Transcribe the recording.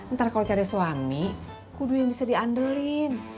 ntar kalau cari suami kudu yang bisa diandelin